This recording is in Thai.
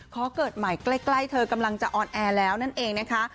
ขอเกิดใหม่ใกล้เธอกำลังจะออนแอร์แล้วนั่นเองนะคะ